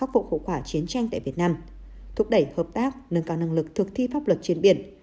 thúc đẩy hợp tác nâng cao năng lực thực thi pháp luật trên biển